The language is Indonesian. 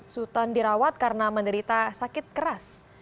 sultan dirawat karena menderita sakit keras